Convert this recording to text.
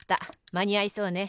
まにあいそうね。